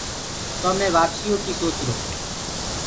تو مي وآپسيٚ يو ڪيٚ سوچرو۔